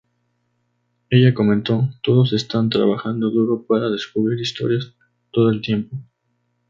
Ella comentó: "todos están trabajando duro para descubrir historias todo el tiempo.